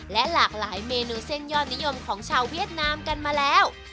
และหลากหลายเมนูเส้นยอดนิยมของชาวเวียดนามกันมาแล้ว